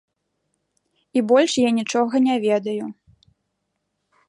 І больш я нічога не ведаю.